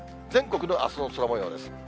全国のあすの空もようです。